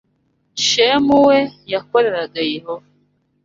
Shemu we yakoreraga Yehova